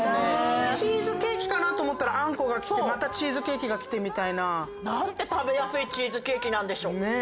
チーズケーキかなと思ったらあんこが来てまたチーズケーキが来てみたいな。なんて食べやすいチーズケーキなんでしょ。